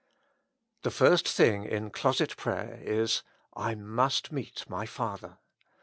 The first thing in closet prayer is: I must meet my Father.